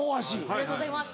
ありがとうございます。